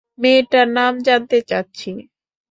মেয়েটার নাম জানতে চাচ্ছি।